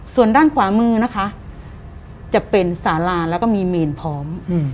ส่วนด้านขวามือนะคะจะเป็นสาราแล้วก็มีเมนพร้อม